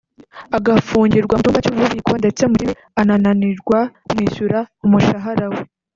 agafungirwa mu cyumba cy’ububiko ndetse Mukibi anananirwa kumwishyura umushahara we”